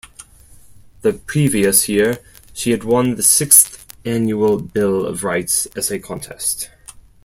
The previous year, she had won the Sixth Annual Bill of Rights essay contest.